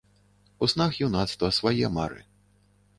У снах юнацтва свае мары!